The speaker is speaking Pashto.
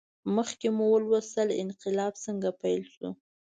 مخکې مو ولوستل انقلاب څنګه پیل شو.